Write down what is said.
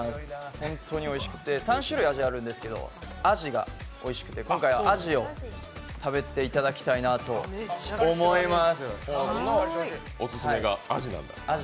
本当においしくて３種類味があるんですけど、アジがおいしくて、今回はアジを食べていただきたいなと思います